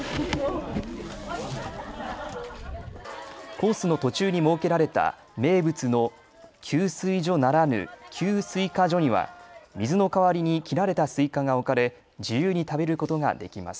コースの途中に設けられた名物の給水所ならぬ、給スイカ所には水の代わりに切られたスイカが置かれ自由に食べることができます。